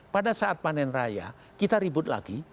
pada saat panen raya kita ribut lagi